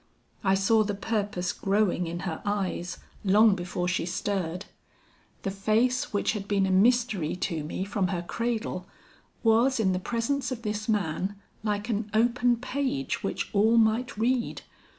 "I saw the purpose growing in her eyes long before she stirred. The face which had been a mystery to me from her cradle, was in the presence of this man, like an open page which all might read.